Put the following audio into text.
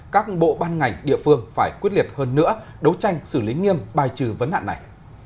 các bộ ban ngành địa phương phải quyết liệt hơn nữa đấu tranh xử lý nghiêm bài trừ vấn nạn này